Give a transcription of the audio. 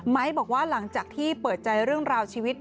บอกว่าหลังจากที่เปิดใจเรื่องราวชีวิต